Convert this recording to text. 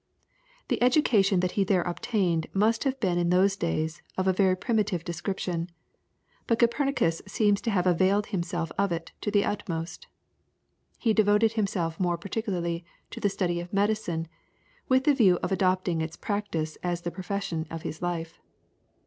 The education that he there obtained must have been in those days of a very primitive description, but Copernicus seems to have availed himself of it to the utmost. He devoted himself more particularly to the study of medicine, with the view of adopting its practice as the profession of his life.